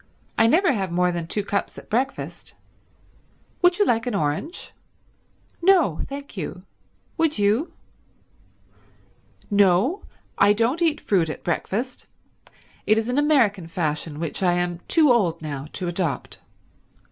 I never have more than two cups at breakfast. Would you like an orange?" "No thank you. Would you?" "No, I don't eat fruit at breakfast. It is an American fashion which I am too old now to adopt.